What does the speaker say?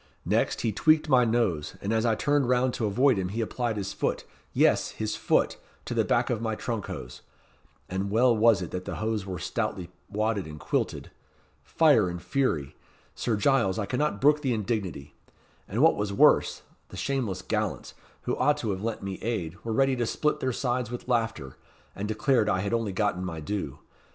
Next, he tweaked my nose, and as I turned round to avoid him, he applied his foot yes, his foot to the back of my trunk hose; and well was it that the hose were stoutly wadded and quilted. Fire and fury! Sir Giles, I cannot brook the indignity. And what was worse, the shameless gallants, who ought to have lent me aid, were ready to split their sides with laughter, and declared I had only gotten my due.